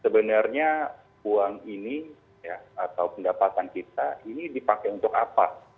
sebenarnya uang ini atau pendapatan kita ini dipakai untuk apa